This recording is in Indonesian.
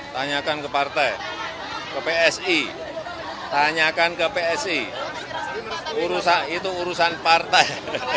tanyakan ke partai ke psi tanyakan ke psi urusan itu urusan partai